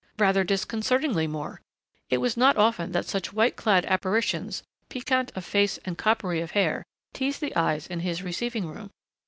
Rather disconcertingly more! It was not often that such white clad apparitions, piquant of face and coppery of hair, teased the eyes in his receiving room.